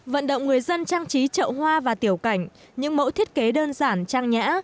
vận động người dân trang trí trậu hoa và tiểu cảnh những mẫu thiết kế đơn giản trang nhã